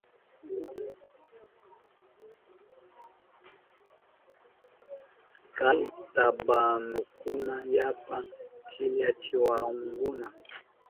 Kay tabanukuna yapa killachiwahunkuna.